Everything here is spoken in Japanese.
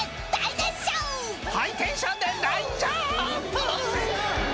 ［ハイテンションで大ジャーンプ！］